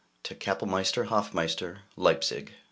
TO KAPELLMEISTER HOFMEISTER, LEIPZIG.